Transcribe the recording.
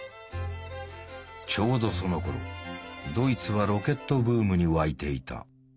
ちょうどそのころドイツはロケットブームに沸いていた。